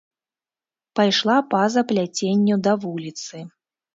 Пайшла па-за пляценню да вуліцы.